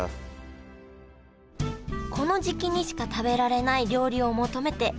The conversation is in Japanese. この時期にしか食べられない料理を求めて多くの人が訪れます